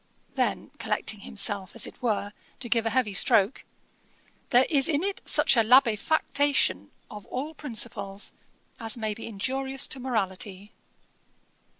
Then collecting himself as it were, to give a heavy stroke: 'There is in it such a labefactation of all principles, as may be injurious to morality.'